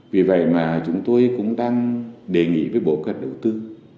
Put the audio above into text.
vì vậy mà chúng tôi cũng đang đề nghị với bộ cơ hội đầu tư